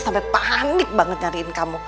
sampai panik banget nyariin kamu